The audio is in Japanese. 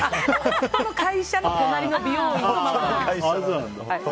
夫の会社の隣の美容院のママ。